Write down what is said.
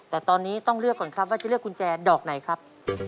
แต่ตอนนี้ต้องเลือกก่อนครับว่าจะเลือกกุญแจดอกไหนครับ